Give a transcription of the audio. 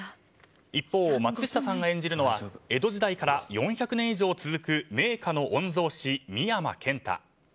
一方、松下さんが演じるのは江戸時代から４００年以上続く名家の御曹司、深山健太。